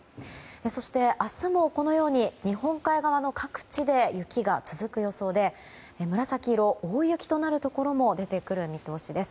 そして、明日もこのように日本海側の各地で雪が続く予想で紫色の大雪となるところも出てくる見通しです。